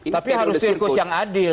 tapi harus sirkus yang adil